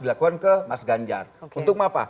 dilakukan ke mas ganjar untuk apa